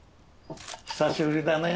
久しぶりだね。